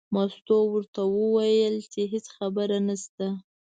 مستو ورته وویل چې هېڅ خبره نشته.